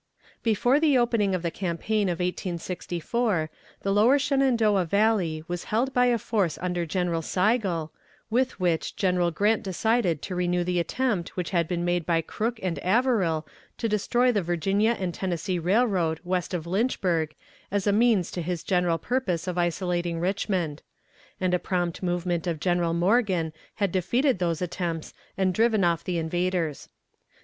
Before the opening of the campaign of 1864, the lower Shenandoah Valley was held by a force under General Sigel, with which General Grant decided to renew the attempt which had been made by Crook and Averill to destroy the Virginia and Tennessee Railroad west of Lynchburg as a means to his general purpose of isolating Richmond; and a prompt movement of General Morgan had defeated those attempts and driven off the invaders.